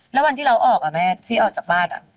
แล้ววันที่เราออกแม่ที่ออกจากบ้าน